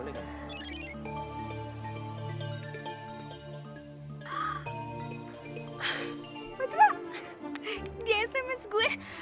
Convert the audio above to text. dia sms gue